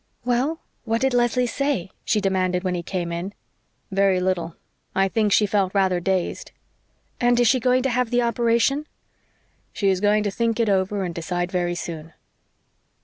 "Well, what did Leslie say?" she demanded when he came in. "Very little. I think she felt rather dazed." "And is she going to have the operation?" "She is going to think it over and decide very soon."